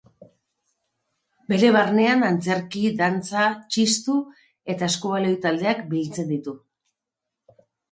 Bere barnean antzerki, dantza, txistu eta eskubaloi taldeak biltzen ditu.